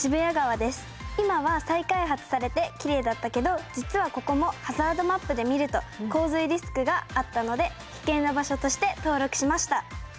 今は再開発されてきれいだったけど実はここもハザードマップで見ると洪水リスクがあったので危険な場所として登録しました。